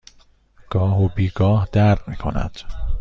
گاه و بیگاه درد می کند.